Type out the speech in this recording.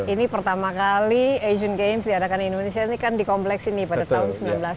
ini pertama kali asian games diadakan di indonesia ini kan di kompleks ini pada tahun seribu sembilan ratus delapan puluh